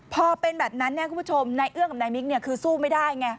พอเป็นแบบนั้นคุณผู้ชมนายเอื้องกับนายมิ๊กคือสู้ไม่ได้ไง